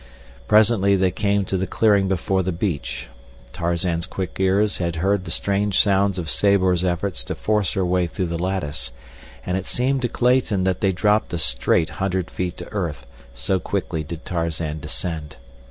Presently they came to the clearing before the beach. Tarzan's quick ears had heard the strange sounds of Sabor's efforts to force her way through the lattice, and it seemed to Clayton that they dropped a straight hundred feet to earth, so quickly did Tarzan descend.